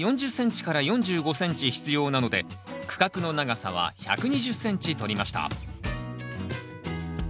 株間４０ｃｍ４５ｃｍ必要なので区画の長さは１２０ｃｍとりました。